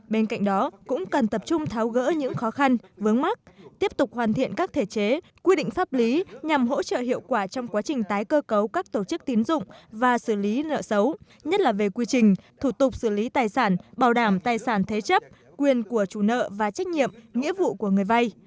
bên cạnh đó cũng cần tập trung tháo gỡ những khó khăn vướng mắt tiếp tục hoàn thiện các thể chế quy định pháp lý nhằm hỗ trợ hiệu quả trong quá trình tái cơ cấu các tổ chức tín dụng và xử lý nợ xấu nhất là về quy trình thủ tục xử lý tài sản bảo đảm tài sản thế chấp quyền của chủ nợ và trách nhiệm nghĩa vụ của người vay